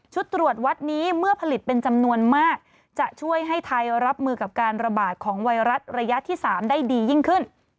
ตรวจวัดนี้เมื่อผลิตเป็นจำนวนมากจะช่วยให้ไทยรับมือกับการระบาดของไวรัสระยะที่๓ได้ดียิ่งขึ้น